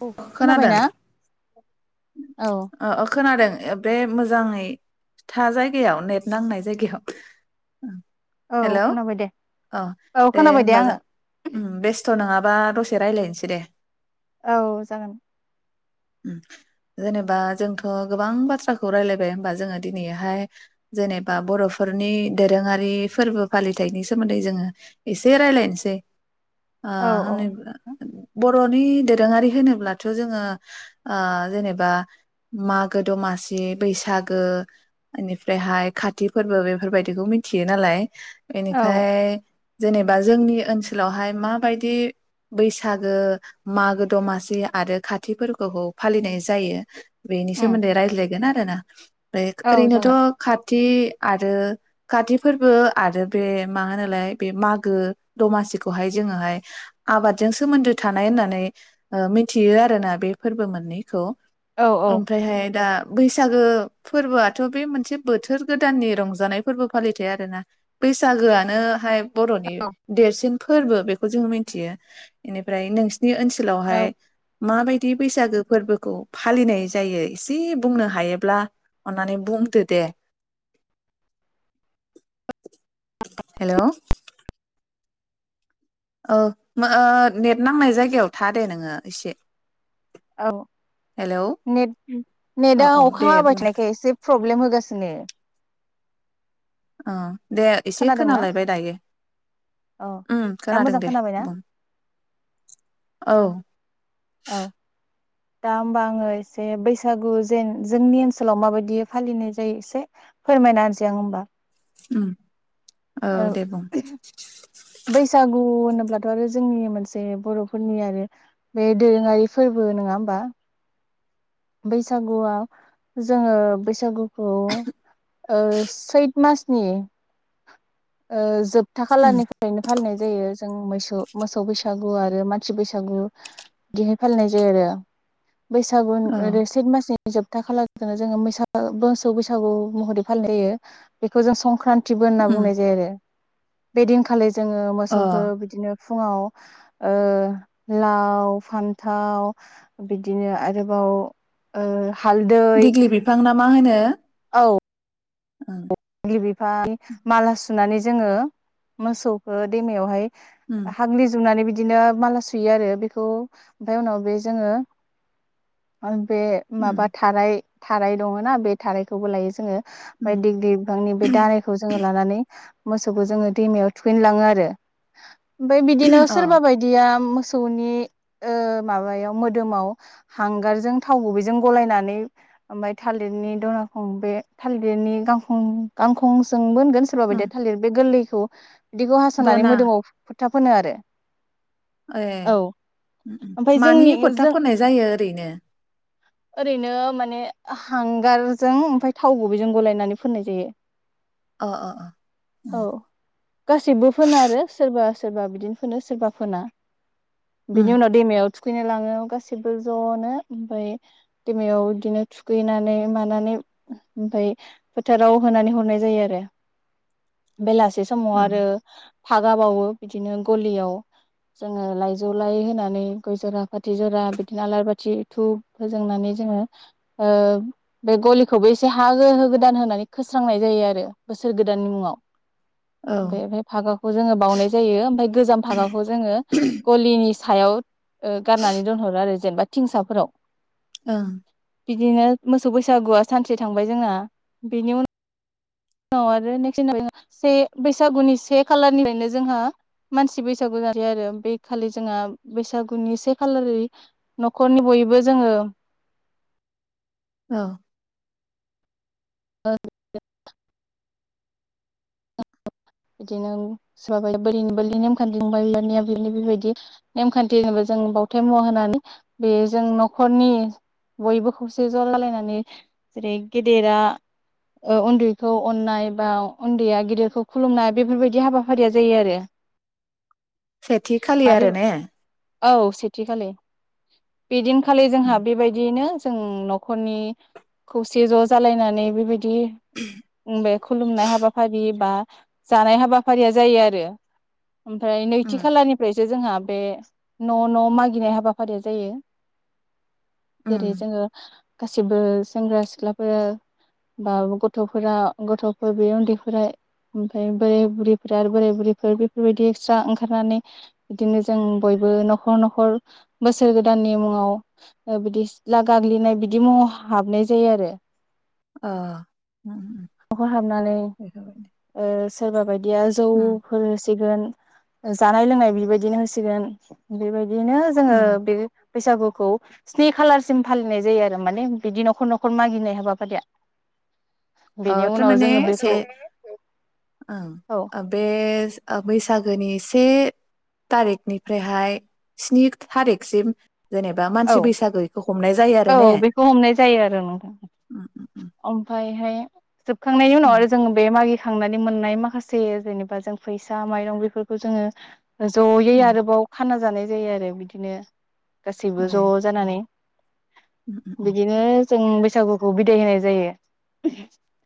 औ खोनाबाय ना अ अ खोनादों ओ बे मोजाङै था जायगायाव नेट नांनाय जायगायाव औ हेलौ खोनाबाय दे अ औ दे खोनाबाय होमबा जों आङो बेस्थ' नङाबा बा‌ दसे रायजलायनसै दे औ जागोन [inaudible] जेनेबा जोंथ' गोबां बाथ्राखौ रायलायबाय होनबा जोङो दिनैहाय जेनेबा बर'फोरनि दोरोङारि फोरबो फालिथायनि सोमोन्दै जोङो एसे रायलायनसै औ औ [unintelligible] बर'नि दोरोङारि होनोब्लाथ' जोङो‌ ओ जेनेबा ओ मागो दमासि बैसागो एनिफ्रायहाय खाथि फोरबो बेफोरबायदिखौ मिथियो नालाय औ बेनिखाय जेनेबा जोंनि ओनसोलावहाय माबायदि बैसागो मागो दमासि आरो खाथि फोरबोखौ फालिनाय जायो जायो बेनि‌ उम सोमोन्दै रायज्लाय गोन‌ आरोना ओमफ्राय औ ओरैनोथ' जागोन खा काति आरो‌‌ काति फोरबो आरो बे मा होनोलाय बे मागो दमासिखौहाय जोङोहाय आबादजों सोमोन्दो थानाय होननानै ओ मिथियो आरोना बे फोरबो मोननैखौ औ औ ओमफ्रायहाय दा बैसागो फोरबोआथ' बे मोनसे बोथोर गोदाननि रंजानाय फोरबो फालिथाय आरोना बैसागोआनोहाय बर'नि देरसिन फोरबो बेखौ जोङो मिथियो बेनिफ्राय नोंसि नि ओनसोलावहाय औ माबायदि बैसागो फोरबोखौ फालिनाय जायो एसे बुंनो हायोब्ला अन्नानै बुंदो दे हेल' औ नेट नांनाय जायगायाव था दे नोङो एसे औ हेलौ नेट औ नेटआ औ दे अखा हाबाय बुं थानायखाय एसे प्रब्लेम होगासिनो अ दे एसे खोनादोंना खोनालायबाय दायो औ ओम दा खोनादों मोजां दे खोनाबायना बुं औ औ दा होमबा आङो एसे बैसागु जेन जोंनि ओनसोलाव माबायदि फालिनाय जायो एसे फोरमायनासै आङो होमबा ओम औ ओ दे बुं [inaudible] बैसागु होनोब्लाथ' आरो जोंनि मोनसे बर'फोरनि आरो बे दोरोङारि फोरबो नङा होमबा बैसागुआव जोङो बैसागुखौ ओ सैथ मासनि जोब था उम खालारनिफ्रायनो फालिनाय जायो जों मोसौ मोसौ बैसागु आरो मासि बैसागु दिहाय फालिनाय जायो आरो बैसागु औ [unintelligible] मासि जोबथा खालारजोंनो जोङो मैसो मोसौ बैसागु महरै फालिनाय जायो बेखौ जों संक्रान्ति बो होनना उम बुंनाय जायो आरो बेदिनखालि जोङो अ मोसौखौ बिदिनो फुङाव ओ लाव फान्थाव बिदिनो आरोबाव ओ हालदै दिग्लि बिफां ना मा होनो औ औ बि बिफांनि माला सुनानै जोङो मोसौखो दैमायावहाय उम हाग्लि जुबनानै बिदि बिदिनो माला सुयो आरो बेखौ ओमफ्राय उनाव बे जोङो बे उम माबा थाराय थाराय दङ ना बे थारायखौबो लायो उम जोङो [unintelligible] बे दालायखौ जोङो लानानै मोसौखौ जोङो दैमायाव थुखैनो लाङो आरो ओमफाय बिदिनो अ सोरबा बायदिया मोसौनि ओ माबायाव मोदोमाव हांगारजों थाव गुबैजों गलायनानै ओमफ्राय थालिरनि दनाखं बे थालिरनि गां खं गांखंजोंबो सोरबा बायदिया उम थालिर बे गोरलैखो औ बिदिखौ हास'नानै दना मोदोमाव फोथा फोनो आरो ए औ ओम ओम ओमफ्राय मानि जोंनि फोथा जों फोननाय जायो ओरैनो ओरैनो माने हांगारजों ओमफ्राय थाव गुबैजों गलायनानै फोननाय जायो अ अ अ उम औ गासिबो फोनो आरो सोरबा सोरबा बिदिनो फोनो सोरबा फोना उम बिनि उनाव दैमायाव थुखैनो लाङो गासैबो ज'नो ओमफ्राय दैमायाव बिदिनो थुखैनानै मानानै ओमफ्राय फोथाराव होनानै हरनाय जायो आरो बेलासि मोनसे समाव औ आरो फागा बावो बिदिनो गलियाव जोङो लाइजौ लाय होनानै गय जरा फाथै जरा बिदिनो आलारि बाथि धुब फोजोंनानै जोङो बे गलिखौबो एसे हा होगो गोदान होनानै फोस्रांनाय जायो आरो बोसोर गोदाननि मुङाव औ बे फ्राय फागाखौ जोङो बावउनाय जायो ओमफफ्राय गोजाम फागाखौ जोङो गलिनि सायाव ओ गारनानै दोनहरो आरो जेनेबा थिंसाफोराव ओं बिदिनो मोसौ बैसागुआ सानसे थांबाय जोंना बिनि उन उनाव आरो नेक्स् से बैसागुनि से खालारनिफ्रायनो जोंहा मानसि बैसागु जायो आरो बे खालि जोंहा बैसागुनि से खालारै न'खरनि बयबो जोङो औ ब [unintelligible] बिदिनो सोरबाया बोरिनि बोरलि नेमखान्थिबाय बिबारनिया बिनो बेबायदि नेमखान्थि जेनेबा जों बावथाय मुवा होनानै बे जों न'खरनि बयबो खौसे ज' लालायनानै जेरै गेदेरा उन्दैखौ अननाय बा उन्दैया गेदेरखौ खुलुमनाय बेफोरबायदि हाबाफारिया जायो आरो सेथि खालि आ बे आरो ने औ सेथिखालि बिदिनखालि उम जोंहा बेबायदियैनो जों न'खरनि खौसे ज' जालायनानै बेबायदि बि बे खुलुमनाय हाबाफारि बा जानाय हाबाफारिया जायो आरो ओमफ्राय नैथि उम खालारनिफ्रायसो जोंहा बे न' न' मागिनाय हाबाफारिया जायो उम जेरै जोङो गासिबो सेंग्रा सिख्लाफोर बा गथ'फोरा गथ'फोर बे उन्दैफोरा ओमफफ्राय बोराय बुरैफ्रा आरो बोराय बुरैफोर बेफोरबायदि एक्सट्रा ओंखारनानै बिदिनो जों बयबो न'खर न'खर बोसोर गोदाननि मुङाव ओ बिदि सिला गाग्लिनाय बिदि मुहाव हाबनाय जायो आरो ओ [unintelligible] हाबनानै ओ सोरबा बाय दिया उम जौफोर होसिगोन जानाय लोंनाय बेबायदिनो होसिगोन बेबाय दिनो जोङो उम बे बैसागुखौ स्नि खालारसिम फालिनाय जायो आरो माने बिदि न'खर न'खर मागिनाय हाबाफारिया ओ बेनि उनाव थारमाने जोङो से बेखौ औ ओ बे ओ बै सागोनि से तारिखनिफ्रायहाय स्नि थारिखसिम जेनेबा औ मानसि बैसागो इखौ औ बेखौ हमनाय जायो आरो नोंथां ओम ओमफ्रायहाय जोबखांनायनि उनाव आरो जोंङो बे मागि खांनानै मोननाय माखासे जेनेबा जों फैसा माइरं बेफोरखौ जोङो ज'यै ओम आरोबाव खाना जानाय जायो आरो बिदिनो ओम गासैबो ज' जानानै ओम ओम बिदिनो जों बैसागुखौ बिदाय होनाय जायो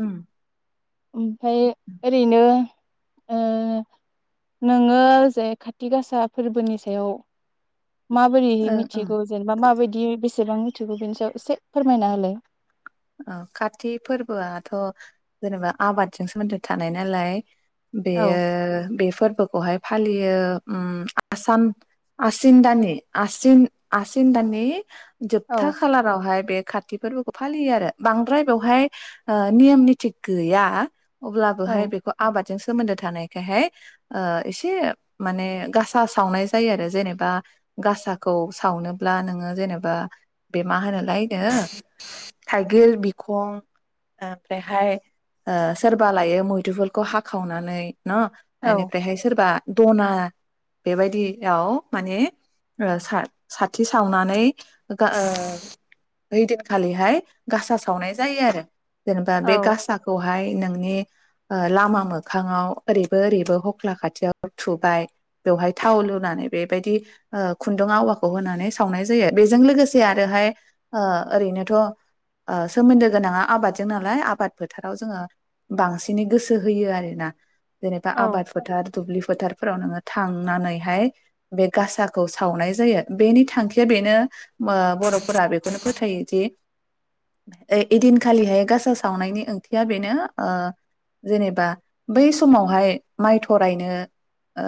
ओम ओमफ्राय ओम ओरैनो एह नोङो जे खाथि गासा फोरबोनि सायाव माबोरै ओं ओं मिथिगौ जेनेबा माबायदि बे सेबां मिथिगौ बिनि सायाव एसे फोरमायना होलाय ओ काति फोरबोआथ' जेनेबा आबादजों सोमोनदो थानाय नालाय औ बेयो बे फोरबोखौहाय फालियो उ आसान आसिन दाननि आसिन आसिन दाननि औ जोबथा खालारावहाय बे खाति फोरबोखौ फालियो आरो बांद्राय बेवहाय ओ नियम निथि गैया औ अब्लाबोहाय बेखौ आबाद जों सोमोनदो थानायखायहाय ओ एसे माने गासा सावनाय जायो आरो जेनेबा गासाखौ सावनोब्ला नोङो जेनेबा बे मा होनोलायनो थाइगिर बिखं ओमफ्रायहाय ओ सोरबा लायो मैदुफुलखौ हाखावनानै न' औ बेनिफ्रायहाय सोरबा दना बेबायदियाव माने ओ सा साथि सावनानै ओ ओइ दिनखालिहाय गासा सावनाय जायो आरो। जेनेबा बे औ गासाखौ बेहाय नोंनि ओ लामा मोखाङाव ओरैबो ओरैबो हख्ला खाथियाव थुबाय बेवहाय थाव लुनानै बेबायदि ओ खुनदुं आवाखौ होनानै सावनाय जायो बेजों लोगोसे आरोहाय ओ ओरैनोथ' ओ सोमोनदो गोनाङा आबादजों नालाय आबाद फोथाराव जोङो बांसिनै गोसो होयो आरोना। जेनेबा औ आबाद फोथार दुब्लि फोथारफोराव नोङो थांनानैहाय बे गासाखौ सावनाय जायो बेनि थांखिया बेनो ओ बर'फोरा बेखौनो फोथायोदि ओइ दिनखालिहाय गासा सावनायनि ओंथिया बेनो ओ जेनेबा बै समावहाय माइ थरायनो ओ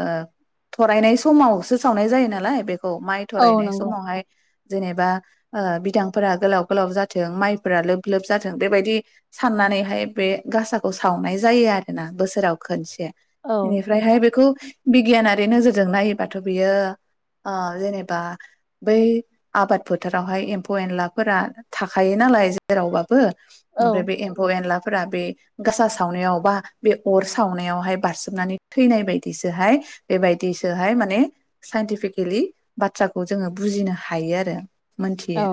थरायनाय समावसो सावनाय जायो नालाय बे खौ माइ औ थरायनाय नंगौ समावहाय जेनेबा ओ बिदांफोरा गोलाव गोलाव जा थों माइफोरा लोब लोब जाथों बेबायदि साननानैहाय बे गासाखौ सावनाय जायो आरोना बोसोराव खनसे। औ निफ्रायहाय बेखौ बिगियानारि नोजोरजों नायोबाथ' बियो ओ जेनेबा बै आबाद फोथारावहाय एमफौ एनलाफोरा थाखायो नालाय जेरावबा बो औ ओमफ्राय बे एमफौ-एनला फोरा बे गासा सावनायाव बा बे अर सावनायावहाय बारसोमनानै थैनाय बायदिसोहाय बेबायदिसोहाय माने साइन्टिफिकेलि बाथ्राखौ जोङो बुजिनो हायो आरो। मोनथियो औ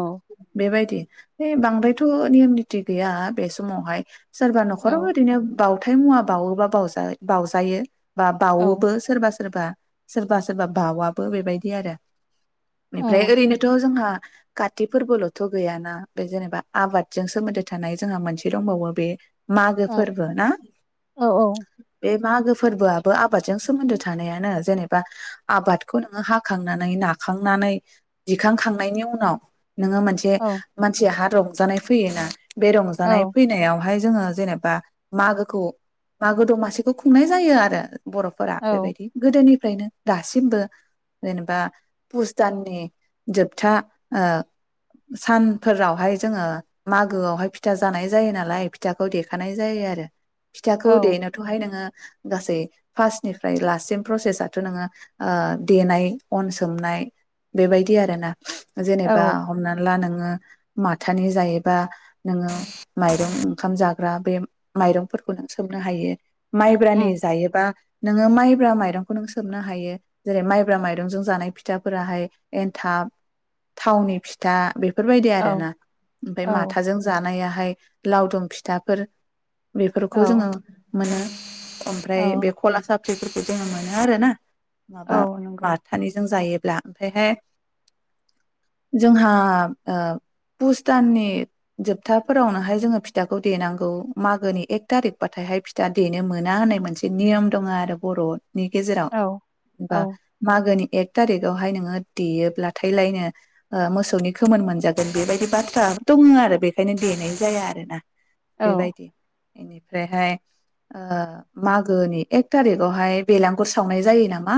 बेबायदि बे बांद्रायथ' नियम निती गैया बे समावहाय सोरबा औ न'खराव ओरैनो बाव थाय मुवा बावोबा बावजा बावजायो। बा औ बावोबो सोरबा सोरबा सोरबा सोरबा बावाबो बेबायदि आरो एमफ्राय ओरैनोथ' जोंहा काति फोरबोल'थ' गैयाना बे जेनेबा आबादजों सोमोन्दो थानाय जोंहा मोनसे दंबावो। बे मागो औ फोरबो ना बे मागो फोरबोआबो आबादजों सोमोन्दो थानायानो जेनेबा आबादखौ नोङो हाखांनानै नाखांनानै दिखांखांनायनि उनाव नोङो मोनसे जेहा रंजानाय फैयोना? बे रंजानाय औ फैनायावहाय जोङो जेनेबा मागोखौ मागो दमासिखौ खुंनाय जायो आरो। बर'फोरा बेबायदि गोदोनि फ्रायनो दासिमबो जेनेबा पुस दाननि जोबथा ओ सान फोरावहाय जोङो मागोआवहाय फिथा जानाय जायो नालाय फिथाखौ देखानाय जायो आरो फिथाखौ औ औ देनोथ'हाय नोङो गासै फास्टनिफ्राय लास्टसिम प्रसेसाथ' नोङो देनाय अन सोमनाय बेबायदि आरोना जेनेबा औ हमनानै ला नों बा माथानि जायोबा नोङो माइरं ओंखाम जाग्रा बे माइरंफोरखौ नों सोबनो हायो माइब्रानि उम जायोबा नोङो माइब्रा माइरंखौ नों सोमनो हायो जेरै माइब्रा माइरंजों जानाय फिथाफोराहाय एन्थाब थावनि फिथा बेफोरबायदि औ आरोना ओमफाय औ माथाजों जानाया हाय लावदुम फिथाफोर बिफोरखौ औ जोङो मोनो ओमफ्राय बे औ खला सा फ्रिफोरखौ जों मोनो आरो ना माबा औ नंगौ माथानिजों जायो ब्ला बेहाय जोंहा ओ भुस दाननि जोबथाफोरावनोहाय जोङो फिथाखौ देनांगौ मागोनि एक थारिखबाथायहाय फिथा देनो मोना होननाय मोनसे नियम दङ आरो बर'आव नि गेजेराव औ बा औ मागोनि एक थारिकावहाय नोङो देयोब्लाथाय लायनो मोसौनि खोमोन मोनजागोन बेबायदि बाथ्रा दङ आरो बेखायनो देनाय जाया आरोना औ बेबायदि इनिफ्रायहाय ओ मागोनि एक थारिकआवहाय बेलागुर सावनाय जायो नामा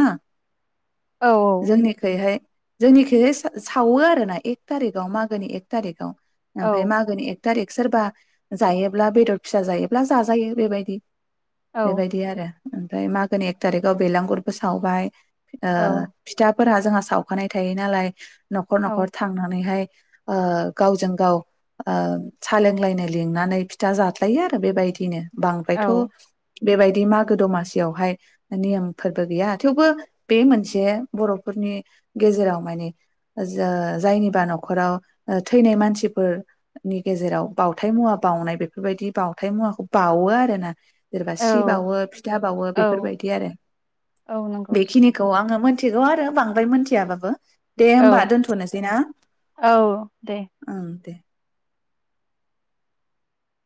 औ जोंनिखैहाय जोंनिखैजाय सावो आरो ना एक थारिखाव मा गोनि एक तारिखाव औ ओमफ्राय मागोनि एक टारिक सोरबा जायोब्ला बेदर फिसा जायोब्ला जाजायो बेबायदि बेबायदि आरो ओमफ्राय मागोनि एक थारिकाव बेलागुरबो सावबाय ओ औ फिथा फोरा जोंहा सावखानाय थायो नालाय न'खर न'खर थांनानैहाय [inaudible] ओ गावजों गाव सालोंलायनो लिंनानै फिथा जाज्लायो आरो बेबायदिनो बांद्रायथ' बेबायदि मागो दमासियावहाय नियम फोरबो गैया थेवबो बे मोनसे बर'फोरनि गेजेराव माने ज जायनिबा न'खराव ओ थैनाय मानसिफोरनि गेजेराव बावथाय मुवा बावनाय बेफोरबायदि बावथाय मुवाखौ बावो आर ना जेनेबा औ सि बावो फिथा बावो औ बेफोरबायदि आरो औ नंगौ बेखिनिखौ आङो मो मिथिगौ आरो बांद्राय मोनथियाबाबो दे औ होमबा दोनथ'नोसै ना औ दे ओं दे